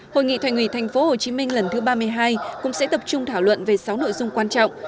hội nghị thành ủy tp hcm lần thứ ba mươi hai cũng sẽ tập trung thảo luận về sáu nội dung quan trọng